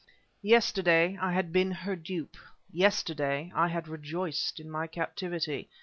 Yesterday, I had been her dupe; yesterday, I had rejoiced in my captivity.